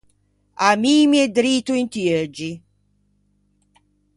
Ammiime drito inti euggi!